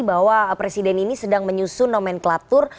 bahwa presiden ini sedang menyusun nomenklatur